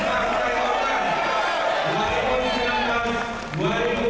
selamat kembali ke posisi langkah